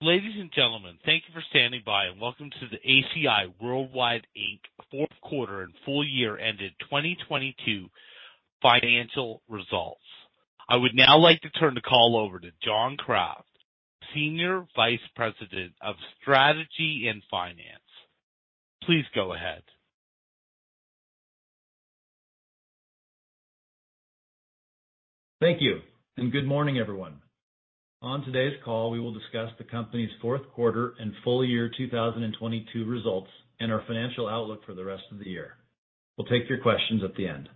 Ladies and gentlemen, thank you for standing by and welcome to the ACI Worldwide, Inc. fourth quarter and full year ended 2022 financial results. I would now like to turn the call over to John Kraft, Senior Vice President of Strategy and Finance. Please go ahead. Thank you and good morning, everyone. On today's call, we will discuss the company's fourth quarter and full year 2022 results and our financial outlook for the rest of the year. We'll take your questions at the end.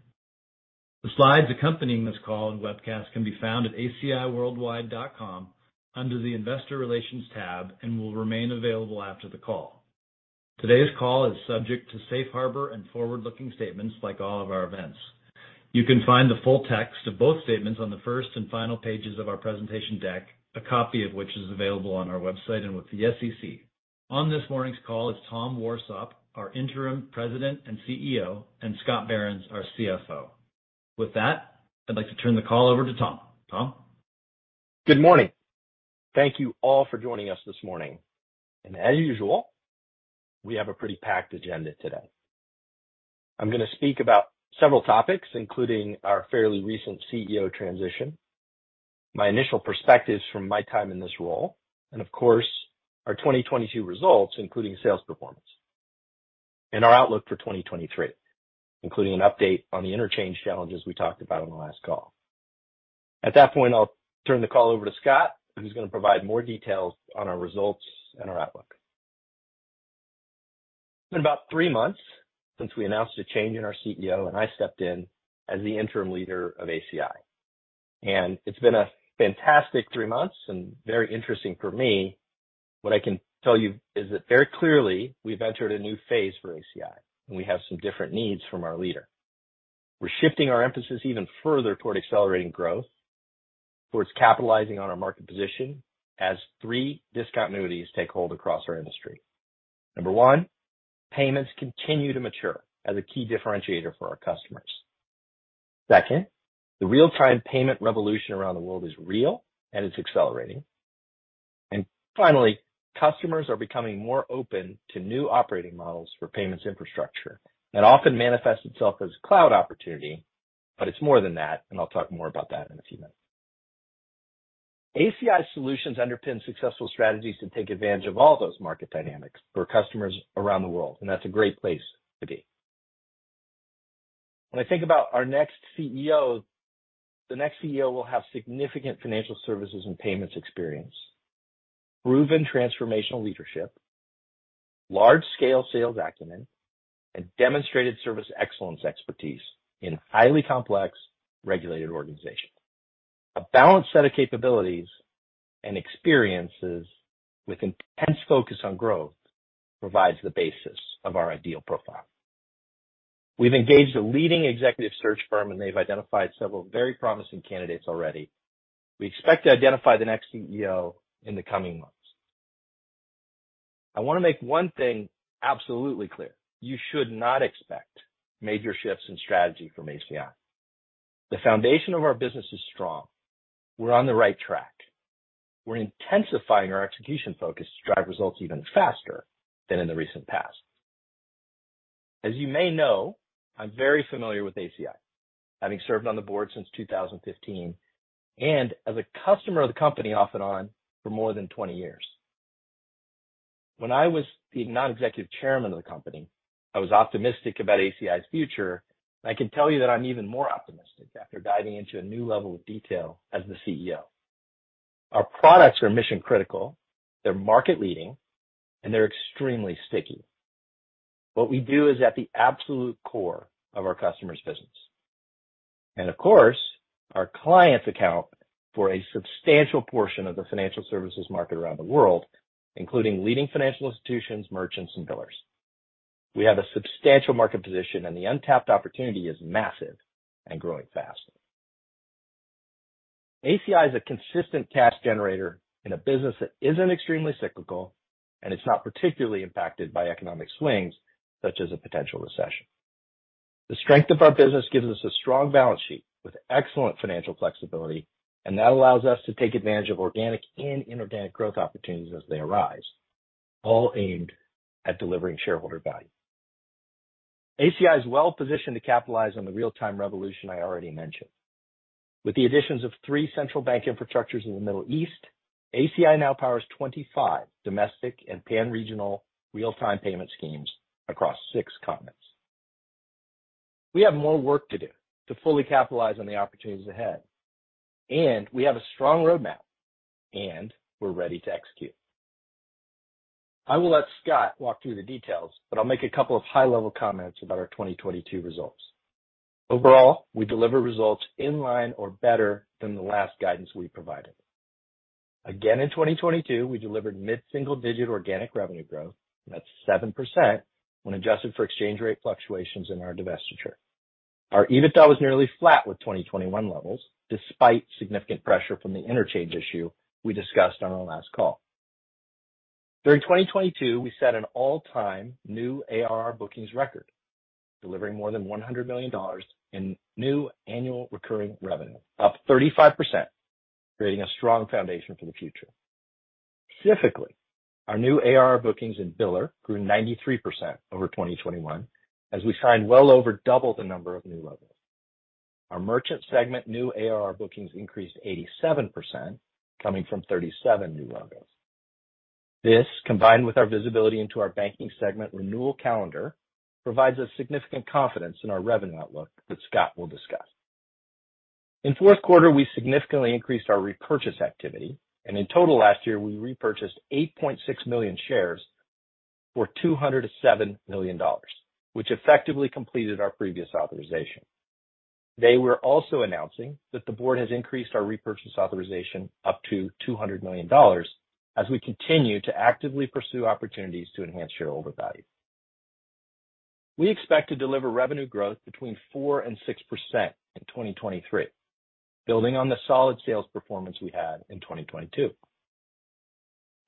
The slides accompanying this call and webcast can be found at aciworldwide.com under the Investor Relations tab and will remain available after the call. Today's call is subject to Safe Harbor and forward-looking statements like all of our events. You can find the full text of both statements on the first and final pages of our presentation deck, a copy of which is available on our website and with the SEC. On this morning's call is Tom Warsop, our interim President and CEO, and Scott Behrens, our CFO. With that, I'd like to turn the call over to Tom. Tom? Good morning. Thank you all for joining us this morning. As usual, we have a pretty packed agenda today. I'm going to speak about several topics, including our fairly recent CEO transition, my initial perspectives from my time in this role, and of course, our 2022 results, including sales performance and our outlook for 2023, including an update on the interchange challenges we talked about on the last call. At that point, I'll turn the call over to Scott, who's going to provide more details on our results and our outlook. It's been about 3 months since we announced a change in our CEO, I stepped in as the interim leader of ACI, and it's been a fantastic 3 months and very interesting for me. What I can tell you is that very clearly we've entered a new phase for ACI. We have some different needs from our leader. We're shifting our emphasis even further toward accelerating growth, towards capitalizing on our market position as three discontinuities take hold across our industry. Number one, payments continue to mature as a key differentiator for our customers. Second, the real-time payment revolution around the world is real and it's accelerating. Finally, customers are becoming more open to new operating models for payments infrastructure that often manifests itself as cloud opportunity, but it's more than that. I'll talk more about that in a few minutes. ACI solutions underpin successful strategies to take advantage of all those market dynamics for customers around the world. That's a great place to be. When I think about our next CEO, the next CEO will have significant financial services and payments experience, proven transformational leadership, large-scale sales acumen, and demonstrated service excellence expertise in highly complex, regulated organizations. A balanced set of capabilities and experiences with intense focus on growth provides the basis of our ideal profile. We've engaged a leading executive search firm, and they've identified several very promising candidates already. We expect to identify the next CEO in the coming months. I want to make one thing absolutely clear. You should not expect major shifts in strategy from ACI. The foundation of our business is strong. We're on the right track. We're intensifying our execution focus to drive results even faster than in the recent past. As you may know, I'm very familiar with ACI, having served on the board since 2015 and as a customer of the company off and on for more than 20 years. When I was the non-executive chairman of the company, I was optimistic about ACI's future. I can tell you that I'm even more optimistic after diving into a new level of detail as the CEO. Our products are mission-critical, they're market-leading, and they're extremely sticky. What we do is at the absolute core of our customers' business. Of course, our clients account for a substantial portion of the financial services market around the world, including leading financial institutions, merchants, and billers. We have a substantial market position, and the untapped opportunity is massive and growing fast. ACI is a consistent cash generator in a business that isn't extremely cyclical, and it's not particularly impacted by economic swings such as a potential recession. The strength of our business gives us a strong balance sheet with excellent financial flexibility, and that allows us to take advantage of organic and inorganic growth opportunities as they arise, all aimed at delivering shareholder value. ACI is well positioned to capitalize on the real-time revolution I already mentioned. With the additions of three central bank infrastructures in the Middle East, ACI now powers 25 domestic and pan-regional real-time payment schemes across 6 continents. We have more work to do to fully capitalize on the opportunities ahead, and we have a strong roadmap, and we're ready to execute. I will let Scott walk through the details, but I'll make a couple of high-level comments about our 2022 results. Overall, we deliver results in line or better than the last guidance we provided. Again, in 2022, we delivered mid-single digit organic revenue growth. That's 7% when adjusted for exchange rate fluctuations in our divestiture. Our EBITDA was nearly flat with 2021 levels, despite significant pressure from the interchange issue we discussed on our last call. During 2022, we set an all-time new ARR bookings record, delivering more than $100 million in new annual recurring revenue, up 35%, creating a strong foundation for the future. Specifically, our new ARR bookings in biller grew 93% over 2021 as we signed well over double the number of new logos. Our merchant segment new ARR bookings increased 87%, coming from 37 new logos. This, combined with our visibility into our banking segment renewal calendar, provides us significant confidence in our revenue outlook that Scott will discuss. In fourth quarter, we significantly increased our repurchase activity. In total last year, we repurchased 8.6 million shares for $207 million, which effectively completed our previous authorization. Today, we're also announcing that the board has increased our repurchase authorization up to $200 million as we continue to actively pursue opportunities to enhance shareholder value. We expect to deliver revenue growth between 4% and 6% in 2023, building on the solid sales performance we had in 2022.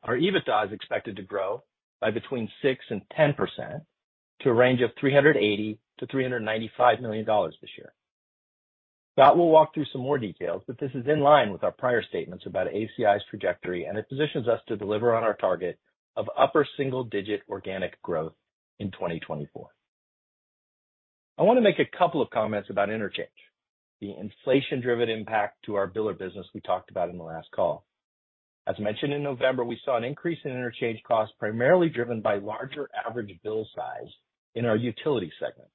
Our EBITDA is expected to grow by between 6% and 10% to a range of $380 million-$395 million this year. Scott will walk through some more details, but this is in line with our prior statements about ACI's trajectory, and it positions us to deliver on our target of upper single-digit organic growth in 2024. I want to make a couple of comments about interchange, the inflation-driven impact to our biller business we talked about in the last call. As mentioned in November, we saw an increase in interchange costs primarily driven by larger average bill size in our utility segment.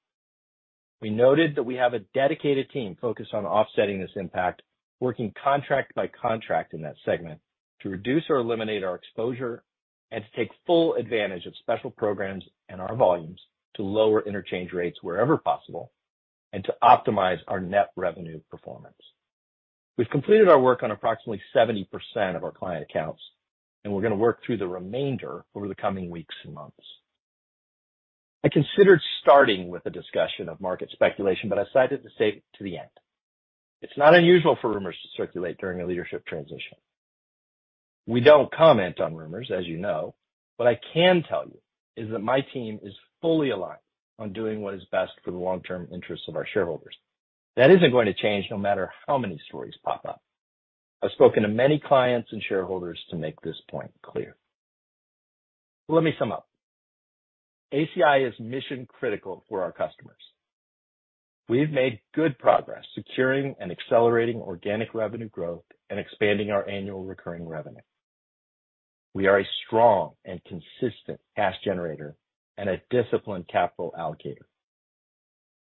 We noted that we have a dedicated team focused on offsetting this impact, working contract by contract in that segment to reduce or eliminate our exposure and to take full advantage of special programs and our volumes to lower interchange rates wherever possible and to optimize our net revenue performance. We've completed our work on approximately 70% of our client accounts, and we're going to work through the remainder over the coming weeks and months. I considered starting with a discussion of market speculation, but I decided to save it to the end. It's not unusual for rumors to circulate during a leadership transition. We don't comment on rumors, as you know. What I can tell you is that my team is fully aligned on doing what is best for the long-term interests of our shareholders. That isn't going to change no matter how many stories pop up. I've spoken to many clients and shareholders to make this point clear. Let me sum up. ACI is mission-critical for our customers. We've made good progress securing and accelerating organic revenue growth and expanding our annual recurring revenue. We are a strong and consistent cash generator and a disciplined capital allocator.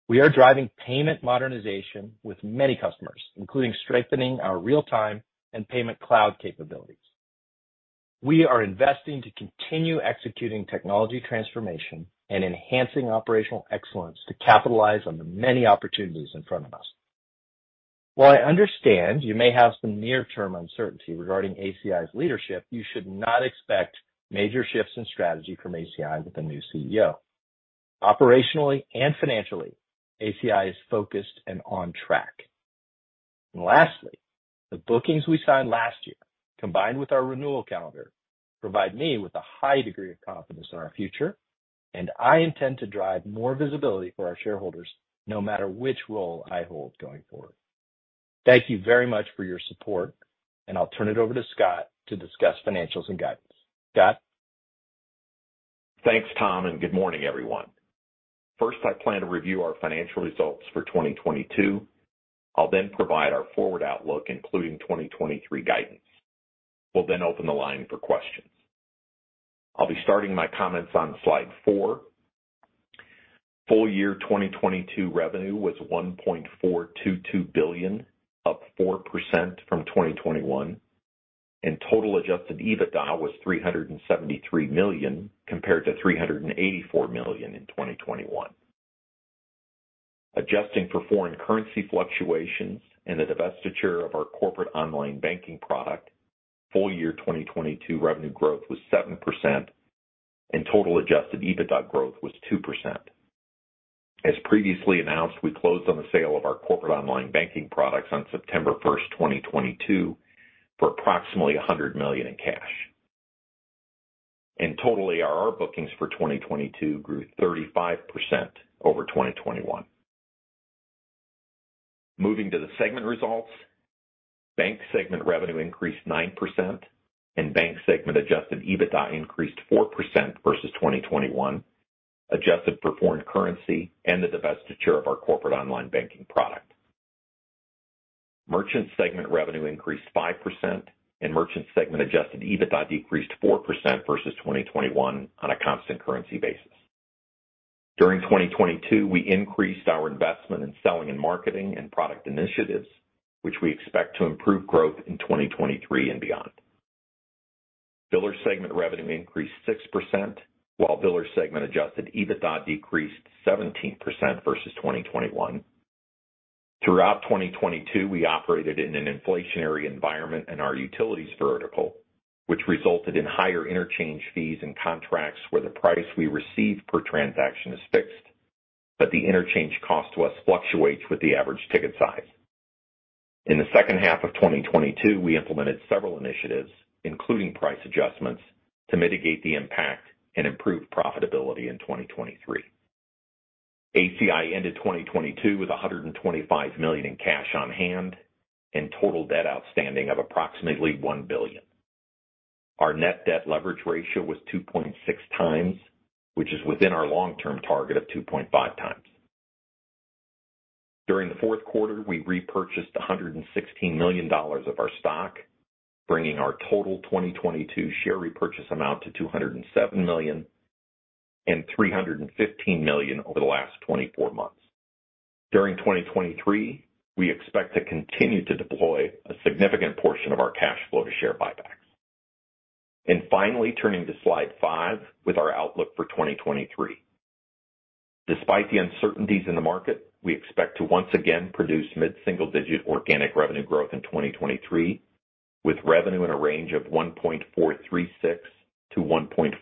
We are driving payment modernization with many customers, including strengthening our real-time and payment cloud capabilities. We are investing to continue executing technology transformation and enhancing operational excellence to capitalize on the many opportunities in front of us. While I understand you may have some near-term uncertainty regarding ACI's leadership, you should not expect major shifts in strategy from ACI with a new CEO. Operationally and financially, ACI is focused and on track. Lastly, the bookings we signed last year, combined with our renewal calendar, provide me with a high degree of confidence in our future, and I intend to drive more visibility for our shareholders no matter which role I hold going forward. Thank you very much for your support, and I'll turn it over to Scott to discuss financials and guidance. Scott? Thanks, Tom. Good morning, everyone. First, I plan to review our financial results for 2022. I'll then provide our forward outlook, including 2023 guidance. We'll open the line for questions. I'll be starting my comments on slide 4. Full year 2022 revenue was $1.422 billion, up 4% from 2021. Total adjusted EBITDA was $373 million compared to $384 million in 2021. Adjusting for foreign currency fluctuations and the divestiture of our corporate online banking product, full year 2022 revenue growth was 7% and total adjusted EBITDA growth was 2%. As previously announced, we closed on the sale of our corporate online banking products on September 1, 2022 for approximately $100 million in cash. Total ARR bookings for 2022 grew 35% over 2021. Moving to the segment results. Bank segment revenue increased 9% and bank segment adjusted EBITDA increased 4% versus 2021, adjusted for foreign currency and the divestiture of our corporate online banking product. Merchant segment revenue increased 5% and merchant segment adjusted EBITDA decreased 4% versus 2021 on a constant currency basis. During 2022, we increased our investment in selling and marketing and product initiatives, which we expect to improve growth in 2023 and beyond. Biller segment revenue increased 6% while biller segment adjusted EBITDA decreased 17% versus 2021. Throughout 2022, we operated in an inflationary environment in our utilities vertical, which resulted in higher interchange fees and contracts where the price we received per transaction is fixed, but the interchange cost to us fluctuates with the average ticket size. In the second half of 2022, we implemented several initiatives, including price adjustments, to mitigate the impact and improve profitability in 2023. ACI ended 2022 with $125 million in cash on hand and total debt outstanding of approximately $1 billion. Our net debt leverage ratio was 2.6 times, which is within our long-term target of 2.5 times. During the fourth quarter, we repurchased $116 million of our stock, bringing our total 2022 share repurchase amount to $207 million and $315 million over the last 24 months. During 2023, we expect to continue to deploy a significant portion of our cash flow to share buybacks. Finally, turning to slide 5 with our outlook for 2023. Despite the uncertainties in the market, we expect to once again produce mid-single digit organic revenue growth in 2023, with revenue in a range of $1.436 billion-$1.466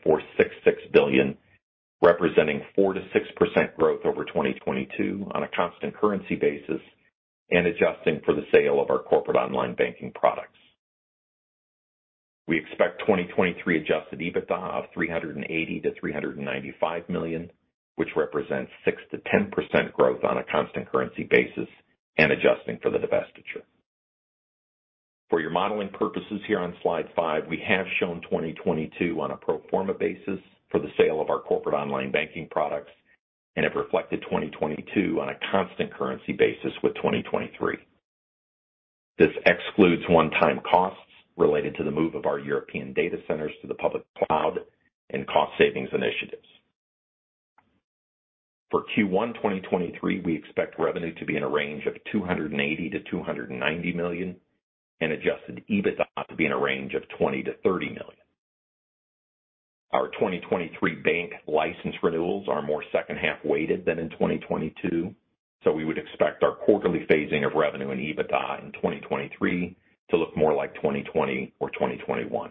billion, representing 4%-6% growth over 2022 on a constant currency basis and adjusting for the sale of our corporate online banking products. We expect 2023 adjusted EBITDA of $380 million-$395 million, which represents 6%-10% growth on a constant currency basis and adjusting for the divestiture. For your modeling purposes here on slide 5, we have shown 2022 on a pro forma basis for the sale of our corporate online banking products and have reflected 2022 on a constant currency basis with 2023. This excludes one-time costs related to the move of our European data centers to the public cloud and cost savings initiatives. For Q1, 2023, we expect revenue to be in a range of $280 million-$290 million and adjusted EBITDA to be in a range of $20 million-$30 million. Our 2023 bank license renewals are more second half-weighted than in 2022, we would expect our quarterly phasing of revenue and EBITDA in 2023 to look more like 2020 or 2021.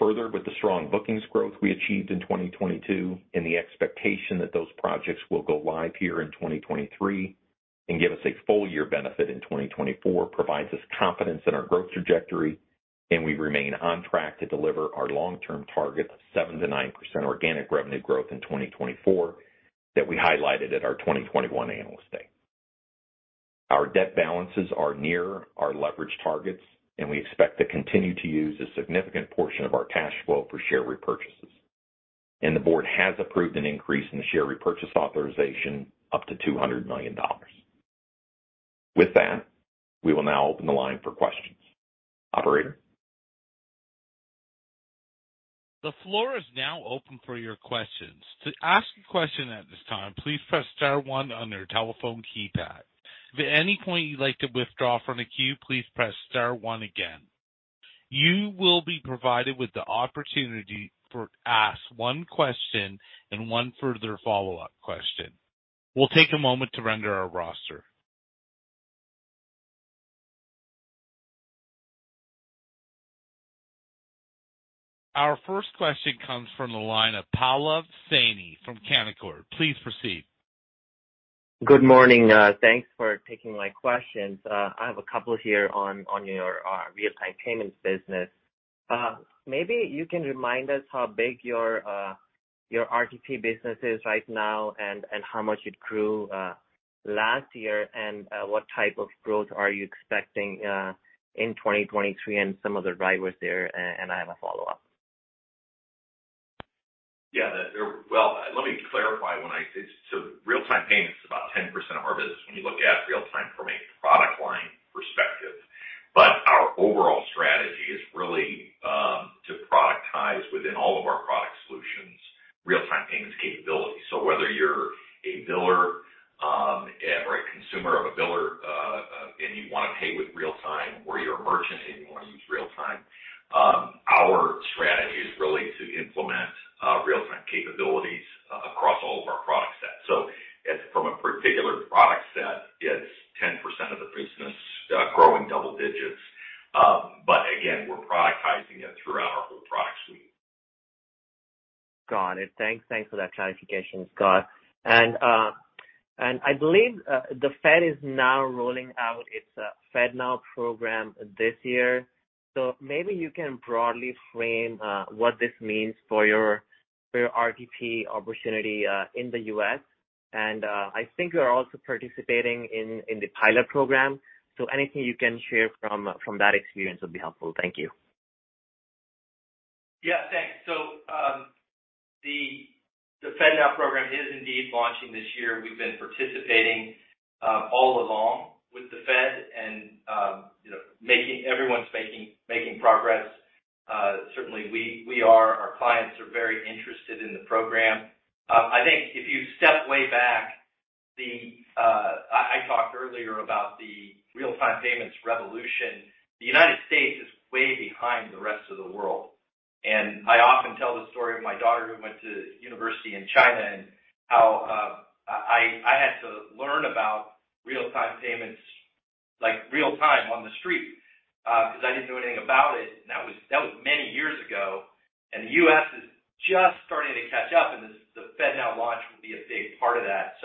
Further, with the strong bookings growth we achieved in 2022 and the expectation that those projects will go live here in 2023 and give us a full year benefit in 2024 provides us confidence in our growth trajectory. We remain on track to deliver our long-term target of 7%-9% organic revenue growth in 2024 that we highlighted at our 2021 Analyst Day. Our debt balances are near our leverage targets. We expect to continue to use a significant portion of our cash flow for share repurchases. The board has approved an increase in the share repurchase authorization up to $200 million. With that, we will now open the line for questions. Operator. The floor is now open for your questions. To ask a question at this time, please press star 1 on your telephone keypad. If at any point you'd like to withdraw from the queue, please press star 1 again. You will be provided with the opportunity for ask 1 question and 1 further follow-up question. We'll take a moment to render our roster. Our first question comes from the line of Pallav Saini from Canaccord. Please proceed. Good morning. Thanks for taking my questions. I have a couple here on your real-time payments business. Maybe you can remind us how big your RTP business is right now and how much it grew last year and what type of growth are you expecting in 2023 and some of the drivers there, and I have a follow-up. Yeah, Well, let me clarify. Real-time payments is about 10% of our business when you look at real time from a product line perspective. Our overall strategy is really to productize within all of our product solutions, real-time payments capabilities. Whether you're a biller or a consumer of a biller, and you want to pay with real time or you're a merchant and you want to use real time, our strategy is really to implement real-time capabilities across all of our product set. From a particular product set, it's 10% of the business, growing double digits. Again, we're productizing it throughout our whole product suite. Got it. Thanks for that clarification, Scott. I believe the Fed is now rolling out its FedNow program this year. Maybe you can broadly frame what this means for your RTP opportunity in the U.S. I think you are also participating in the pilot program. Anything you can share from that experience would be helpful. Thank you. Yeah, thanks. The FedNow program is indeed launching this year. We've been participating all along with the Fed and, you know, everyone's making progress. Certainly we are. Our clients are very interested in the program. I think if you step way back, the I talked earlier about the real-time payments revolution. The United States is way behind the rest of the world. I often tell the story of my daughter who went to university in China and how, I had to learn about real-time payments, like real-time on the street. 'Cause I didn't know anything about it. That was, that was many years ago. The FedNow launch will be a big part of that.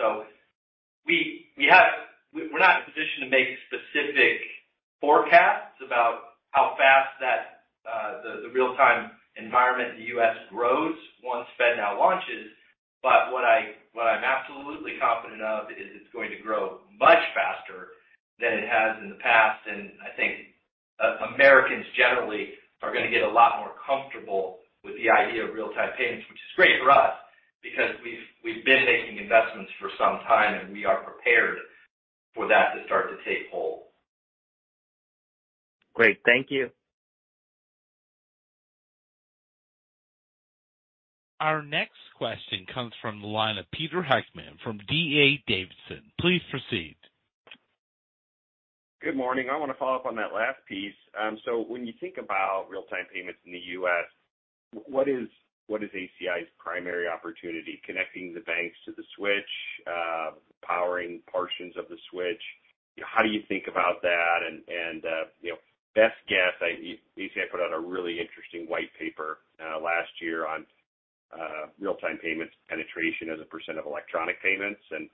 We have we're not in a position to make specific forecasts about how fast that the real-time environment in the U.S. grows once FedNow launches. What I'm absolutely confident of is it's going to grow much faster than it has in the past. I think Americans generally are gonna get a lot more comfortable with the idea of real-time payments, which is great for us because we've been making investments for some time, and we are prepared for that to start to take hold. Great. Thank you. Our next question comes from the line of Peter Heckmann from D.A. Davidson. Please proceed. Good morning. I wanna follow up on that last piece. When you think about real-time payments in the U.S., what is, what is ACI's primary opportunity? Connecting the banks to the switch, powering portions of the switch? How do you think about that? you know, best guess, ACI put out a really interesting white paper last year on real-time payments penetration as a percent of electronic payments and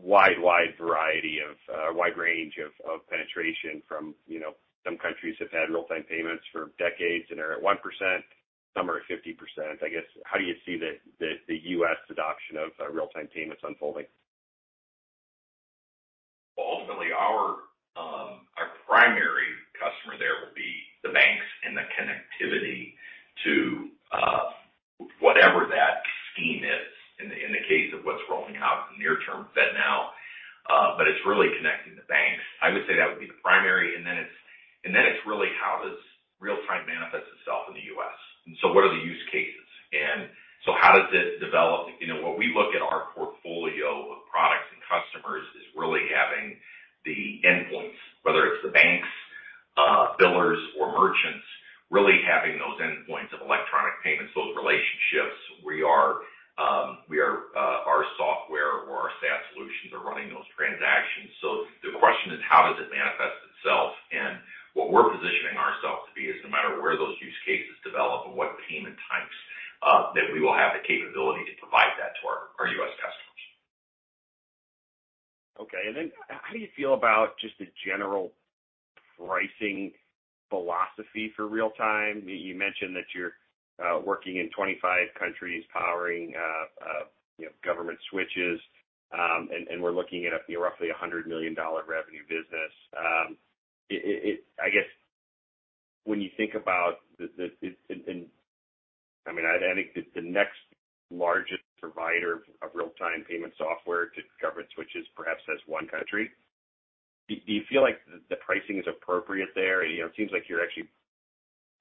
wide variety of wide range of penetration from, you know, some countries have had real-time payments for decades and are at 1%, some are at 50%. I guess, how do you see the U.S. adoption of real-time payments unfolding? Ultimately our primary customer there will be the banks and the connectivity to whatever that scheme is in the case of what's rolling out in the near term FedNow. It's really connecting the banks. I would say that would be the primary. Then it's really how does real time manifest itself in the U.S.? What are the use cases? How does it develop? You know, when we look at our portfolio of products and customers is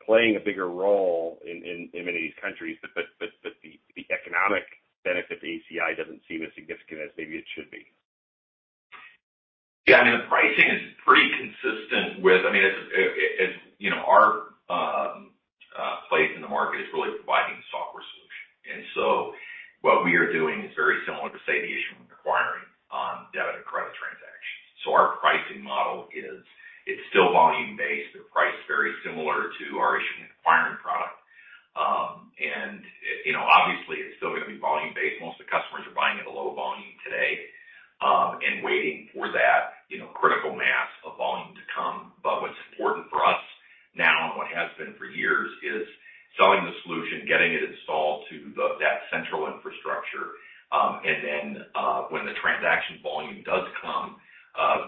playing a bigger role in many of these countries, but the economic benefit to ACI doesn't seem as significant as maybe it should be. I mean, the pricing is pretty consistent with. I mean, it's, you know, our place in the market is really providing the software solution. What we are doing is very similar to, say, the issuing and acquiring on debit and credit transactions. Our pricing model is, it's still volume-based. They're priced very similar to our issuing and acquiring product. And, you know, obviously, it's still gonna be volume-based. Most of the customers are buying at a low volume today, and waiting for that, you know, critical mass of volume to come. What's important for us now, and what has been for years, is selling the solution, getting it installed to that central infrastructure. Then, when the transaction volume does come,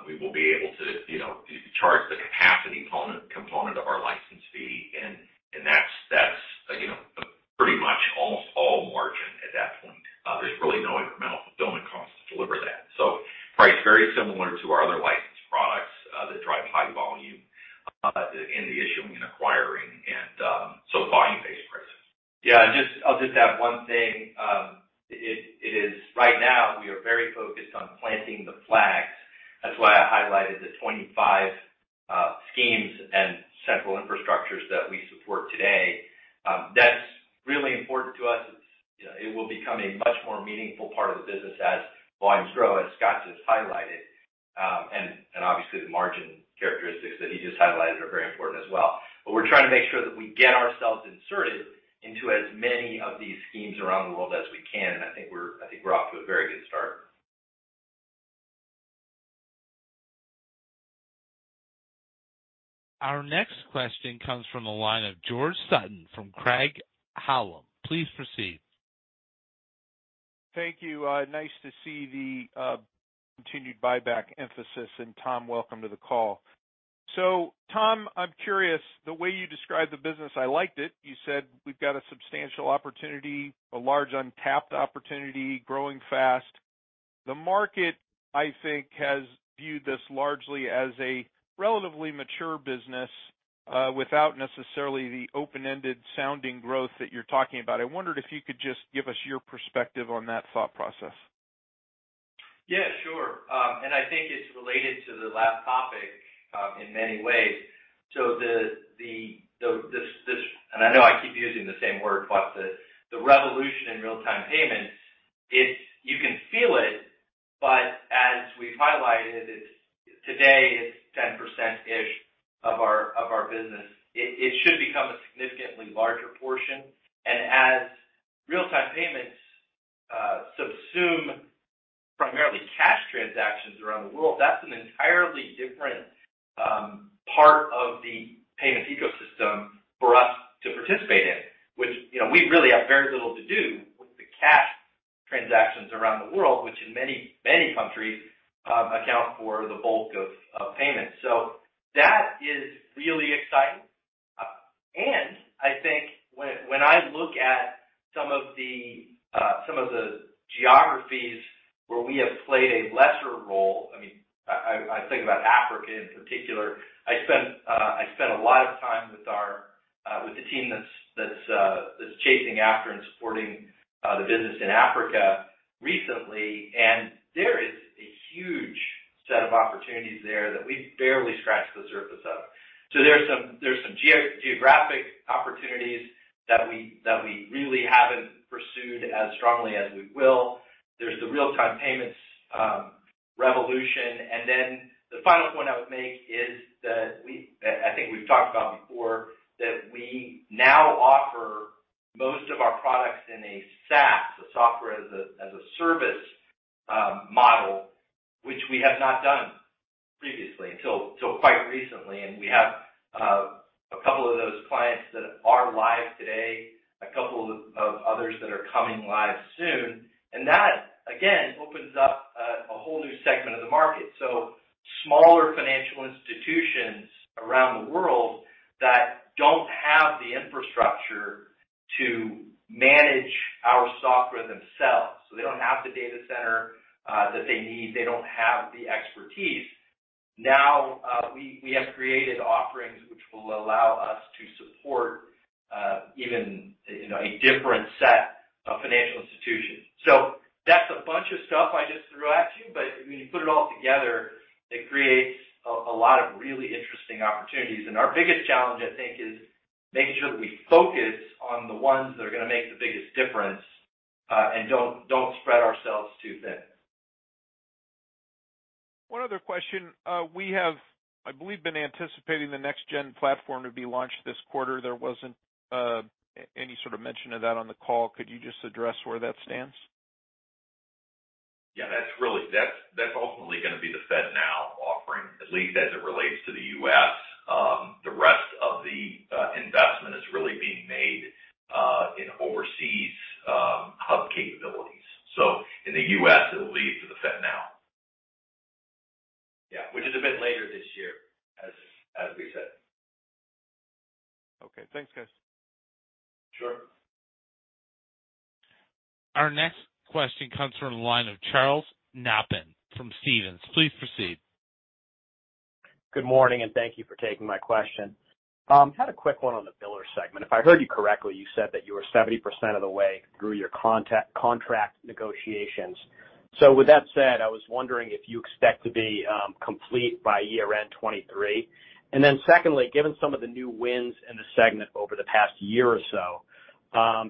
we will be able to, you know, charge the capacity component of our license fee. That's, you know, pretty much almost all margin at that point. There's really no incremental fulfillment costs to deliver that. Priced very similar to our other licensed products, that drive high volume, in the issuing and acquiring, and volume-based pricing. Yeah, I'll just add one thing. It is right now we are very focused on planting the flags. That's why I highlighted the 25 schemes and central infrastructures that we support today. That's really important to us. It's, you know, it will become a much more meaningful part of the business as volumes grow, as Scott just highlighted. And obviously, the margin characteristics that he just highlighted are very important as well. We're trying to make sure that we get ourselves inserted into as many of these schemes around the world as we can, and I think we're, I think we're off to a very good start. Our next question comes from the line of George Sutton from Craig-Hallum. Please proceed. Thank you. Nice to see the continued buyback emphasis. Tom, welcome to the call. Tom, I'm curious, the way you described the business, I liked it. You said we've got a substantial opportunity, a large untapped opportunity, growing fast. The market, I think, has viewed this largely as a relatively mature business, without necessarily the open-ended sounding growth that you're talking about. I wondered if you could just give us your perspective on that thought process. Yeah, sure. I think it's related to the last topic, in many ways. I know I keep using the same word, but the revolution in real-time payments, you can feel it, but as we've highlighted, today it's 10%-ish of our business. It should become a significantly larger portion. As real-time payments subsume primarily cash transactions around the world, that's an entirely different part of the payments ecosystem for us to participate in. Which, you know, we really have very little to do with the cash transactions around the world, which in many, many countries, account for the bulk of payments. That is really exciting. I think when I look at some of the, some of the geographies where we have played a lesser role, I mean, I think about Africa in particular. I spent a lot of time with our, with the team that's chasing after and supporting, the business in Africa recently. There is a huge set of opportunities there that we've barely scratched the surface of. There's some, there's some geo-geographic opportunities that we really haven't pursued as strongly as we will. There's the real-time payments, revolution. The final point I would make is that I think we've talked about before, that we now offer most of our products in a SaaS, a software as a service model, which we have not done previously until quite recently. We have a couple of those clients that are live today, a couple of others that are coming live soon. That, again, opens up a whole new segment of the market. Smaller financial institutions around the world that don't have the infrastructure to manage our software themselves, so they don't have the data center that they need, they don't have the expertise. Now, we have created offerings which will allow us to support even, you know, a different set of financial institutions. That's a bunch of stuff I just threw at you, but when you put it all together, it creates a lot of really interesting opportunities. Our biggest challenge, I think, is making sure that we focus on the ones that are gonna make the biggest difference, and don't spread ourselves too thin. One other question. We have, I believe, been anticipating the next gen platform to be launched this quarter. There wasn't any sort of mention of that on the call. Could you just address where that stands? That's ultimately gonna be the FedNow offering, at least as it relates to the U.S. The rest of the investment is really being made in overseas hub capabilities. In the U.S., it'll lead to the FedNow. Which is a bit later this year, as we said. Okay. Thanks, guys. Sure. Our next question comes from the line of Charles Nabhan from Stephens. Please proceed. Good morning, thank you for taking my question. Had a quick one on the biller segment. If I heard you correctly, you said that you were 70% of the way through your contract negotiations. With that said, I was wondering if you expect to be complete by year-end 2023? Secondly, given some of the new wins in the segment over the past year or so,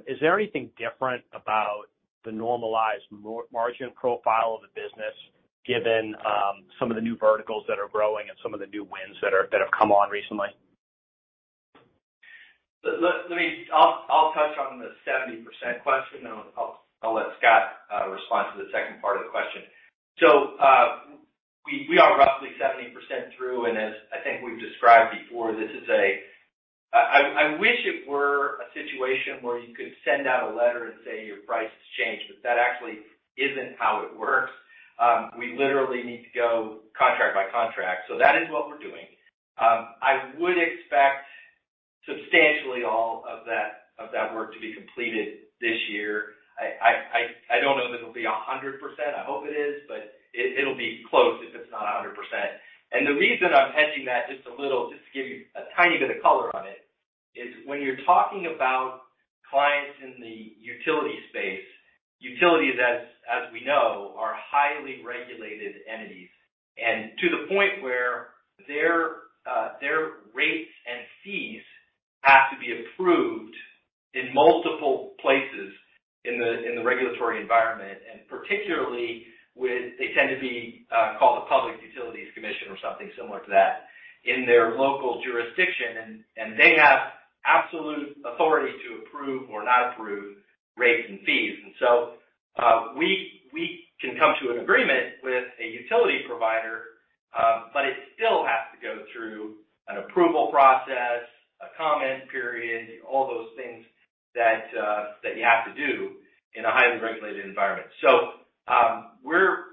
is there anything different about the normalized margin profile of the business, given some of the new verticals that are growing and some of the new wins that have come on recently? Let me. I'll touch on the 70% question, then I'll let Scott respond to the second part of the question. We are roughly 70% through, and as I think we've described before, this is a. I wish it were a situation where you could send out a letter and say your price has changed, but that actually isn't how it works. We literally need to go contract by contract, so that is what we're doing. I would expect substantially all of that, of that work to be completed this year. I don't know if it'll be 100%. I hope it is, but it'll be close if it's not 100%. The reason I'm hedging that just a little, just to give you a tiny bit of color on it, is when you're talking about clients in the utility space, utilities as we know, are highly regulated entities. To the point where their rates and fees have to be approved in multiple places in the regulatory environment, particularly with they tend to be called the Public Utilities Commission or something similar to that in their local jurisdiction. They have absolute authority to approve or not approve rates and fees. We can come to an agreement with a utility provider, but it still has to go through an approval process, a comment period, all those things that you have to do in a highly regulated environment.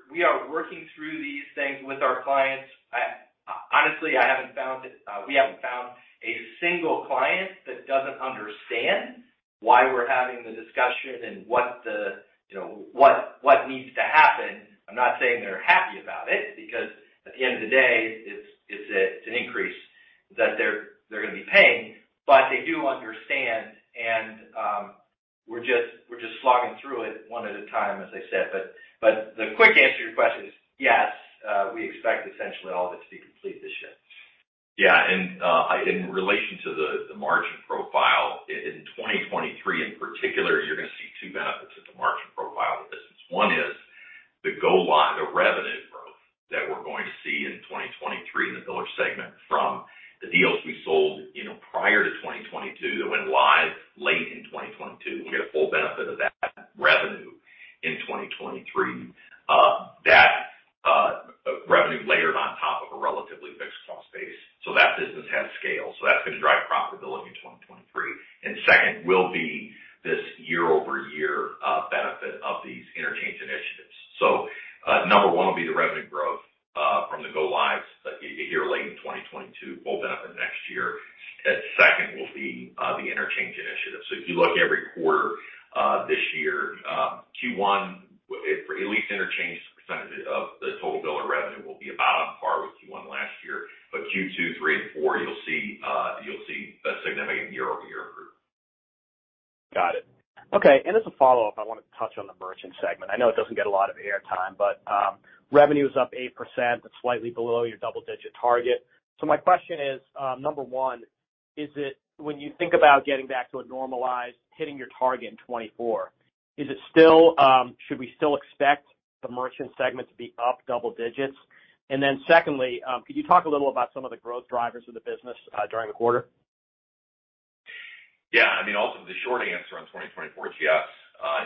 We are working through these things with our clients. Honestly, we haven't found a single client that doesn't understand why we're having the discussion and what the, you know, what needs to happen. I'm not saying they're happy about it because at the end of the day, it's a, it's an increase that they're gonna be paying. They do understand and we're just slogging through it one at a time, as I said. The quick answer to your question is yes, we expect essentially all of it to be complete this year. Yeah. In relation to the margin profile in 2023 in particular, you're going to see two benefits of the margin profile of the business. One is the go live, the revenue growth that we're going to see in 2023 in the biller segment from the deals we sold, you know, prior to 2022 that went live late in 2022. We get a full benefit of that revenue in 2023. That revenue layered on top of a relatively fixed cost base. That business has scale. That's going to drive profitability in 2023. Second will be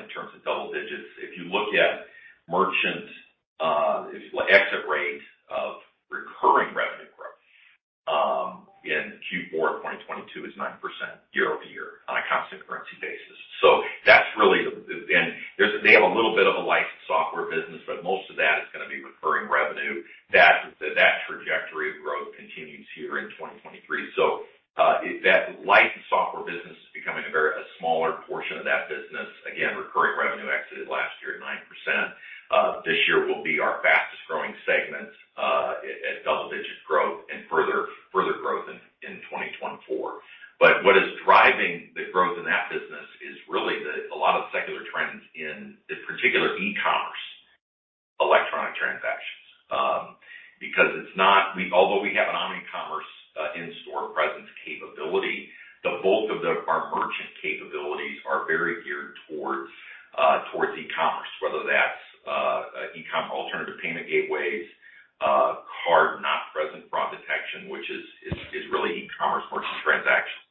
In terms of double digits, if you look at merchant exit rate of recurring revenue growth in Q4 of 2022 is 9% year-over-year on a constant currency basis. That's really and they have a little bit of a licensed software business, but most of that is gonna be recurring revenue. That trajectory of growth continues here in 2023. That licensed software business is becoming a smaller portion of that business. Again, recurring revenue exited last year at 9%. This year will be our fastest-growing segment at double-digit growth and further growth in 2024. What is driving the growth in that business is really a lot of secular trends in particular, e-commerce, electronic transactions. Because it's not, although we have an Omni-Commerce in-store presence capability, the bulk of our merchant capabilities are very geared towards e-commerce, whether that's e-com alternative payment gateways, card-not-present fraud detection, which is really e-commerce merchant transactions.